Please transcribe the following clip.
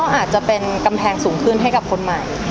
อาจจะเป็นกำแพงสูงขึ้นให้กับคนใหม่